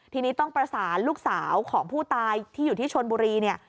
ทีนี้ต้องประสานลูกสาวของผู้ตายที่อยู่ที่ชนบุรีเนี่ย